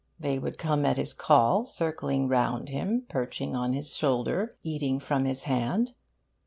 They would come at his call, circling round him, perching on his shoulders, eating from his hand.